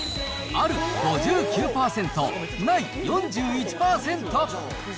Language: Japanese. ある５９％、ない４１％。